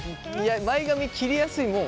前髪切りやすいもん？